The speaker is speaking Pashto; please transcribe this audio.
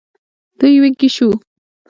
دوی وږي شوو.